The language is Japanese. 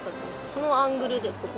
そのアングルでここ。